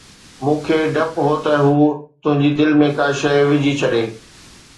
مون کي ڊپ هو ته هو تنهنجي دل ۾ ڪا شيءِ وجهي ڇڏي